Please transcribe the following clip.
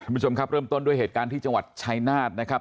คุณผู้ชมครับเริ่มต้นด้วยเหตุการณ์ที่จังหวัดชายนาฏนะครับ